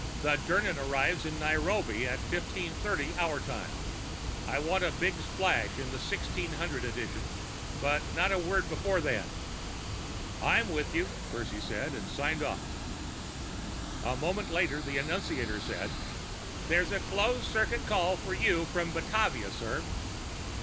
The Dirnan arrives in Nairobi at 1530 our time. I want a big splash in the 1600 edition but not a word before then!" "I'm with you," Percy said, and signed off. A moment later the annunciator said, "There's a closed circuit call for you from Batavia, sir."